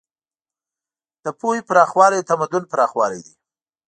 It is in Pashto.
د پوهې پراخوالی د تمدن پراخوالی دی.